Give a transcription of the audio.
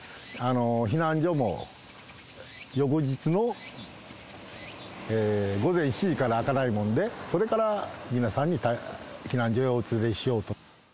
避難所も翌日の午前７時から開かないもんで、それから皆さんを避難所へお連れしようと。